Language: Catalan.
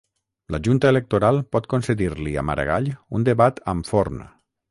La Junta electoral pot concedir-li a Maragall un debat amb Forn